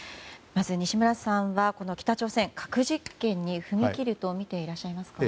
まず西村さんは北朝鮮、核実験に踏み切るとみていらっしゃいますか？